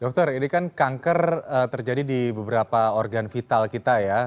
dokter ini kan kanker terjadi di beberapa organ vital kita ya